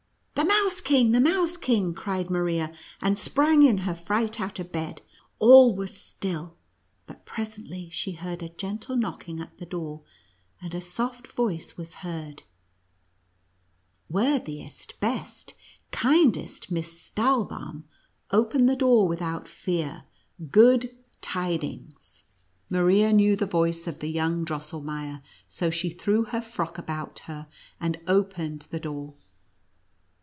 " The Mouse King! — the Mouse King!" cried Maria, and sprang in her fright out of bed. All was still; but presently she heard a gentle knocking at the door, and a soft voice was heard: "Worthiest, best, kindest Miss Stahl baum, open the door without fear—good tidings !" 106 NUTCEACKEE AND MOUSE KING. Maria knew the voice of the young Drosselmeier, so she threw her frock about her, and opened the door.